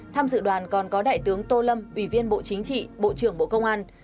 tham dự đoàn còn có đại tướng tô lâm ủy viên bộ chính trị bộ trưởng bộ công an